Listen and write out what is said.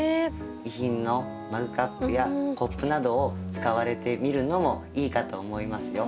遺品のマグカップやコップなどを使われてみるのもいいかと思いますよ。